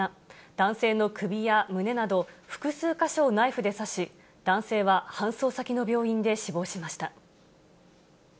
男性の首や胸など、複数箇所をナイフで刺し、男性は搬送先の病院で死亡しました。